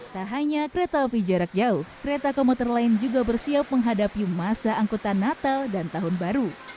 tak hanya kereta api jarak jauh kereta komuter lain juga bersiap menghadapi masa angkutan natal dan tahun baru